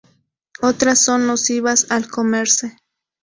Otras son nocivas al comerse.